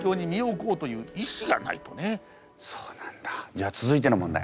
じゃあ続いての問題